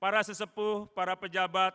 para sesepuh para pejabat